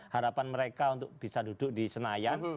harapan mereka untuk bisa duduk di senayan